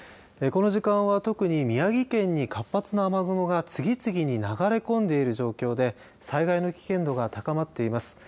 この時間は特に宮城県に活発な雨雲が次々に流れ込んでいる状況で災害の危険度が高まっています。